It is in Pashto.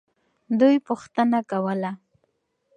دوی پوښتنه کوله.